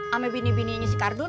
sampai bini bininya si kardun